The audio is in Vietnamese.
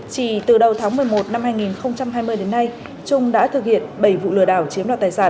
chỉ từ đầu tháng một mươi một năm hai nghìn hai mươi đến nay trung đã thực hiện bảy vụ lừa đảo chiếm đoạt tài sản